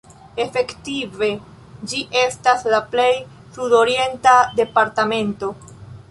Efektive ĝi estas la plej sud-orienta departemento.